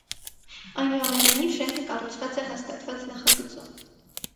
Այնուամենայնիվ, շենքը կառուցվում է հաստատված նախագծով։